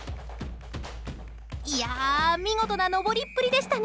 いや見事な登りっぷりでしたね